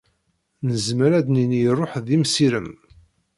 Nezmer ad d-nini iṛuḥ d imsirem.